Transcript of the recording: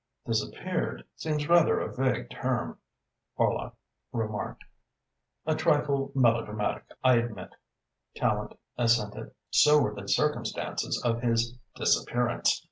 "'Disappeared' seems rather a vague term," Horlock remarked. "A trifle melodramatic, I admit," Tallente assented. "So were the circumstances of his disappearance.